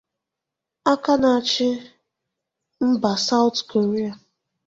Aka na-achị mba South Korịa